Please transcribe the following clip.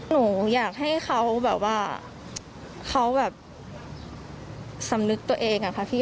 หนูอยากให้เขาแบบว่าเขาแบบสำนึกตัวเองอะค่ะพี่